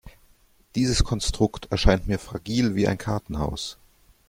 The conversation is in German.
Dieses Konstrukt erscheint mir fragil wie ein Kartenhaus.